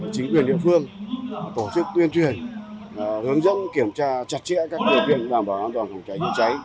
chính quyền địa phương tổ chức tuyên truyền hướng dẫn kiểm tra chặt chẽ các điều kiện đảm bảo an toàn phòng cháy chữa cháy